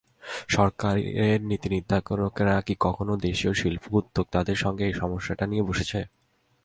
সরকারের নীতিনির্ধারকেরা কি কখনো দেশীয় শিল্পোদ্যোক্তাদের সঙ্গে এ সমস্যাটি নিয়ে বসেছে?